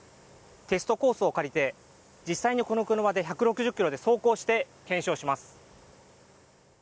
テストコースを借りて実際にこの車で１６０キロで走行して、検証します。